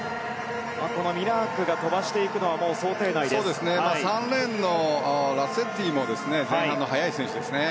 ミラークが飛ばしていくのは３レーンのラッツェッティも前半速い選手ですね。